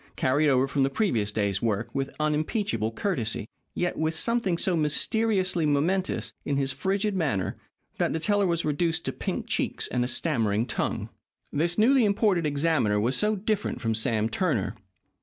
carried over from the previous day's work with unimpeachable courtesy, yet with something so mysteriously momentous in his frigid manner, that the teller was reduced to pink cheeks and a stammering tongue. This newly imported examiner was so different from Sam Turner.